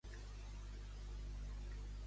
Quan van empresonar Elionor?